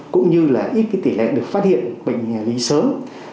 cũng như là ít cái tỷ lệ được phát hiện bệnh lý sớm